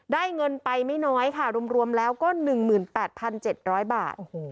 เงินไปไม่น้อยค่ะรวมแล้วก็๑๘๗๐๐บาท